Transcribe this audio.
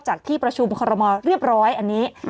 ที่ประชุมคอรมอลเรียบร้อยอันนี้